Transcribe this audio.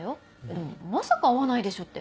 でもまさか会わないでしょって。